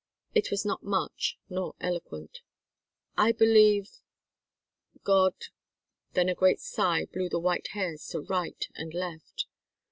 It was not much, nor eloquent. "I believe God " Then a great sigh blew the white hairs to right and left.